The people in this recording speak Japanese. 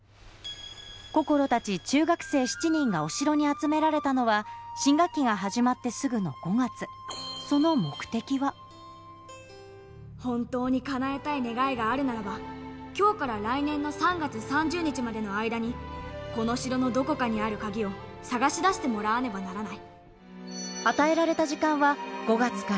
こころたち中学生７人がお城に集められたのは新学期が始まってすぐの５月その本当に叶えたい願いがあるならば今日から来年の３月３０日までの間にこの城のどこかにある鍵を探し出してもらわねばならない。